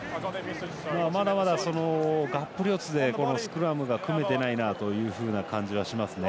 まだまだ、がっぷり四つでスクラムが組めていないなという感じはしますね。